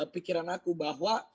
pikiran aku bahwa